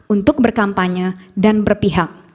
untuk berkampanye dan berpihak